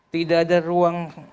tidak ada ruang